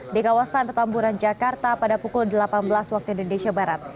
di kawasan petamburan jakarta pada pukul delapan belas waktu indonesia barat